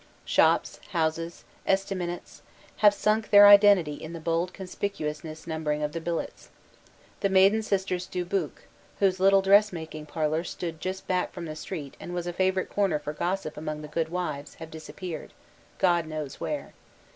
Shops, houses, estaminets, have sunk their identity in the bold conspicuous numbering of the billets. The maiden sisters Dubuc, whose little dress making parlor stood just back from the street and was a favorite corner for gossip among the good wives, have disappeared, God knows where.